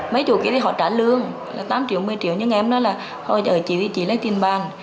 mấy chủ kia thì họ trả lương tám triệu một mươi triệu nhưng em nói là thôi ở chỉ vị trí lấy tiền bán